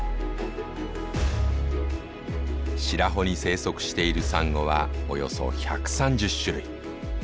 白保に生息しているサンゴはおよそ１３０種類。